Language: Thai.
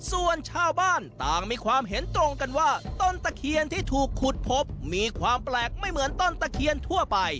ส่วนชาวบ้านต่างมีความเห็นตรงกันว่าต้นตะเคียนที่ถูกขุดพบมีความแปลกไม่เหมือนต้นตะเคียนทั่วไป